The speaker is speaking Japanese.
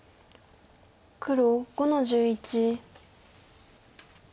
黒５の十一。